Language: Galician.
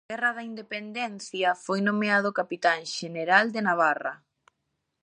Trala Guerra da Independencia foi nomeado capitán xeneral de Navarra.